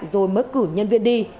rồi mất cử nhân viên đi